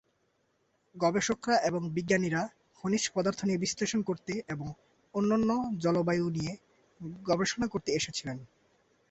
গবেষকরা এবং বিজ্ঞানীরা খনিজ পদার্থ বিশ্লেষণ করতে এবং অনন্য জলবায়ু নিয়ে গবেষণা করতে এসেছিলেন।